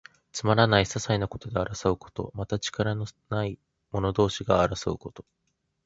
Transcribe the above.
つまらない、ささいなことで争うこと。また、力のない者同士が争うこと。